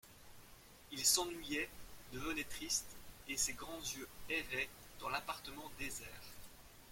Il s'ennuyait, devenait triste, et ses grands yeux erraient dans l'appartement désert.